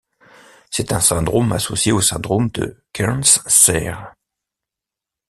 C'est un syndrome associé au syndrome de Kearns-Sayre.